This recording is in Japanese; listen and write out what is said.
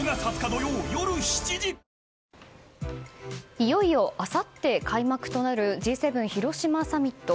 いよいよ、あさって開幕となるＧ７広島サミット。